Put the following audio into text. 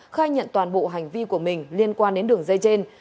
khai nhận toàn bộ hành vi của mình liên quan đến đường dây trên